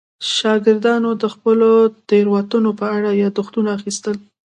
شاګردانو د خپلو تېروتنو په اړه یادښتونه اخیستل.